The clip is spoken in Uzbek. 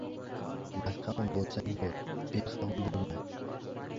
Badqavm bo'lsang bo'l, beqavm bo'lma.